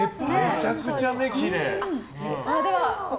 めちゃくちゃ目がきれい。